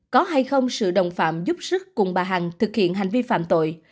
có hay không sự đồng phạm giúp sức cùng bà hằng thực hiện hành vi phạm tội